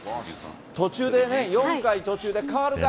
途中でね、４回途中で代わるか？